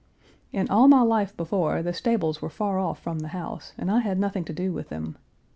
In all my life before, the stables were far off from the house and I had nothing to do with them.